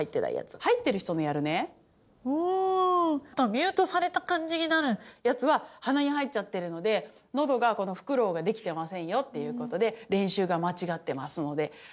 ミュートされた感じになるやつは鼻に入っちゃってるので喉がこのフクロウができてませんよっていうことで練習が間違ってますので注意して下さい。